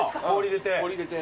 氷入れて。